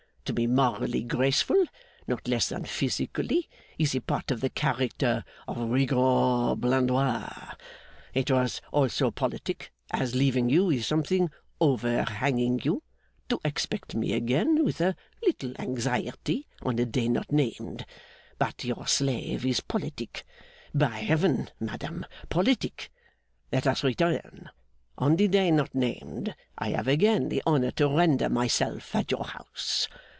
To be morally graceful, not less than physically, is a part of the character of Rigaud Blandois. It was also politic, as leaving you with something overhanging you, to expect me again with a little anxiety on a day not named. But your slave is politic. By Heaven, madame, politic! Let us return. On the day not named, I have again the honour to render myself at your house.